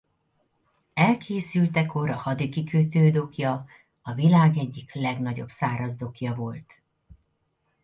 Elkészültekor a hadikikötő dokkja a világ egyik legnagyobb szárazdokkja volt.